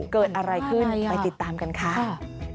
เกิดอะไรขึ้นไปติดตามกันค่ะ